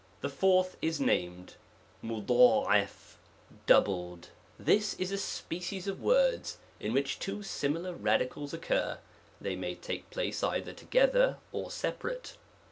THE fourth is named ujUUixi doubled This is a spe cies of words, in which two similar radicals occur : these may take place either together or separate.